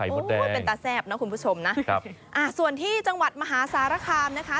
โอ้โหเป็นตาแซ่บนะคุณผู้ชมนะส่วนที่จังหวัดมหาสารคามนะคะ